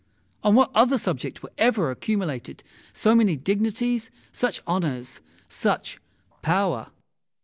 On what other subject were ever accumulated so many dignities, such honours, such power?